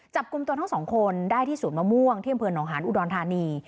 จับกลุ่มตัวทั้งสองคนได้ที่ศูนย์มะม่วงที่อำเภอหนองหาญอุดรธานี